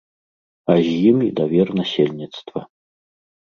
А з ім і давер насельніцтва.